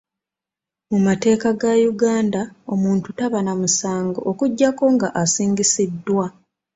Mu mateeka ga Uganda, omuntu taba na musango okujjako nga asingisiddwa.